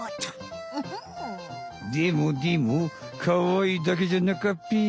でもでもかわいいだけじゃなかっぺよ。